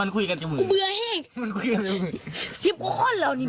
กูเบื่อเห้ย๑๐กว่าคนแล้วนี่